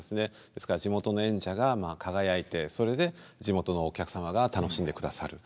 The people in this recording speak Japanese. ですから地元の演者がまあ輝いてそれで地元のお客様が楽しんでくださる。